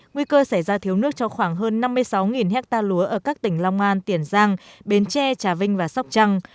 nguy cơ xảy ra thiếu nước cho khoảng hơn năm mươi sáu hectare lúa ở các tỉnh long an tiền giang bến tre trà vinh và sóc trăng